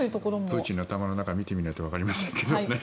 プーチンの頭の中を見てみないとわかりませんけどね。